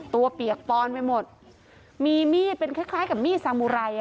เปียกปอนไปหมดมีมีดเป็นคล้ายคล้ายกับมีดสามุไร